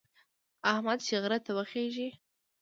احمد چې غره ته وخېژي،